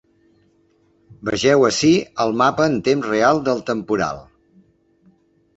Vegeu ací el mapa en temps real del temporal.